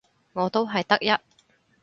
我都係得一